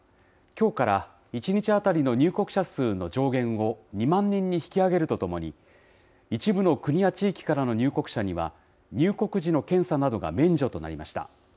きょうから１日当たりの入国者数の上限を、２万人に引き上げるとともに、一部の国や地域からの入国者には、入国時の検査などが免除となりました。